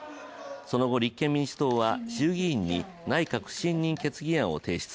その後、立憲民主党は衆議院に内閣不信任決議案を提出。